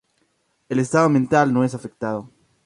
El estado mental no es afectado.